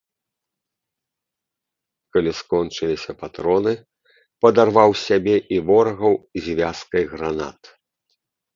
Калі скончыліся патроны, падарваў сябе і ворагаў звязкай гранат.